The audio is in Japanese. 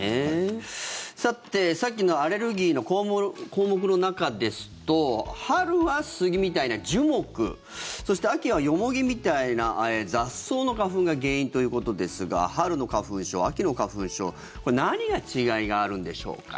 さて、さっきのアレルギーの項目の中ですと春は杉みたいな樹木、そして秋はヨモギみたいな雑草の花粉が原因ということですが春の花粉症、秋の花粉症これ、何が違いがあるんでしょうか。